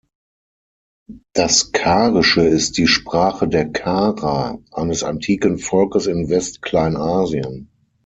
Das Karische ist die Sprache der Karer, eines antiken Volkes in West-Kleinasien.